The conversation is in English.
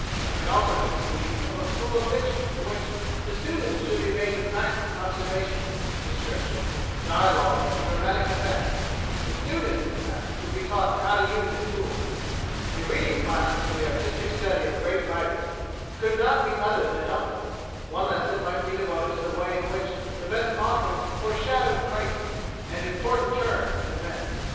I can also conceive of a School of Fiction in which the students should be made to practise observation, description, dialogue, and dramatic effects. The student, in fact, would be taught how to use his tools." A reading class for the artistic study of great writers could not be other than helpful. One lesson might be devoted to the way in which the best authors foreshadowed crises and important turns in events.